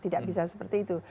tidak bisa seperti itu